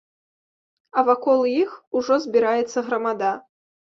А вакол іх ужо збіраецца грамада.